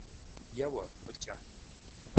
Еуэ, фӏыкӏэ!